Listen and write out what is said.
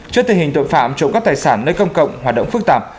trước tình hình tội phạm trộm cắp tài sản nơi công cộng hoạt động phức tạp